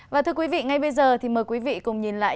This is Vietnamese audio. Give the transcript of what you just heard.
và thưa quý vị ngay bây giờ thì mời quý vị cùng nhìn lại